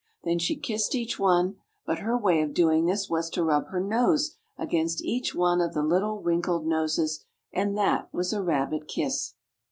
Then she kissed each one, but her way of doing this was to rub her nose against each one of the little wrinkled noses, and that was a rabbit kiss.